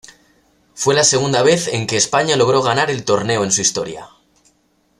Fue la segunda vez en que España logró ganar el torneo en su historia.